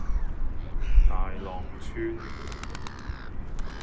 大浪村